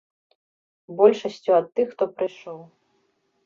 Большасцю ад тых, хто прыйшоў.